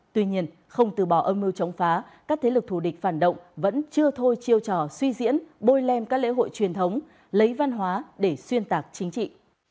tuy nhiên không từ bỏ âm mưu chống phá các thế lực thù địch phản động vẫn chưa thôi chiêu trò suy diễn bôi lem các lễ hội truyền thống lấy văn hóa để xuyên tạc chính trị